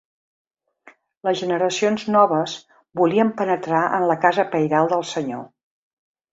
Les generacions noves volien penetrar en la Casa pairal del Senyor.